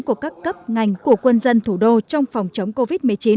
của các cấp ngành của quân dân thủ đô trong phòng chống covid một mươi chín